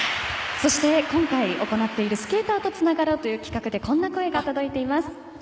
そして今回行っている「＃スケーターとつながろう」という企画でこんな声が届いています。